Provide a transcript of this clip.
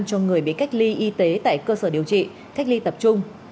cho người bị cách ly y tế tại cơ sở điều trị cách ly tập trung